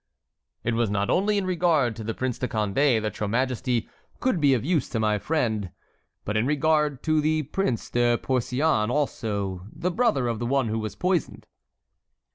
"It was not only in regard to the Prince de Condé that your majesty could be of use to my friend, but in regard to the Prince de Porcian also, the brother of the one who was poisoned."